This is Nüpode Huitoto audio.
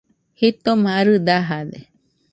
Jitoma arɨ dajade